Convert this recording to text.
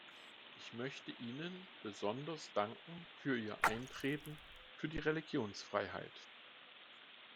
Ich möchte Ihnen besonders danken für Ihr Eintreten für die Religionsfreiheit.